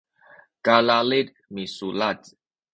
kalalid misulac